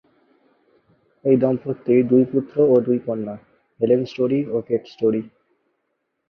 এই দম্পতির দুই পুত্র ও দুই কন্যা, হেলেন স্টোরি ও কেট স্টোরি।